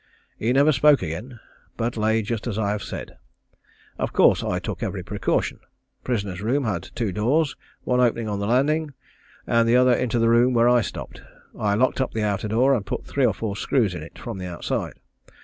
He never spoke again, but lay just as I have said. Of course I took every precaution. Prisoner's room had two doors, one opening on the landing, and the other into the room where I stopped. I locked up the outer door and put three or four screws into it from the outside.